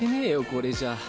これじゃ。